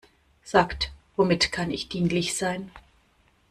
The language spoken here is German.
Sagt, womit kann ich dienlich sein?